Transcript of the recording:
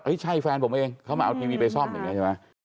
ใช่แฟนผมเองเขามาเอาทีวีไปซ่อมอย่างนี้ใช่ไหม